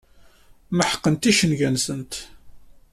Meḥqent icenga-nsent.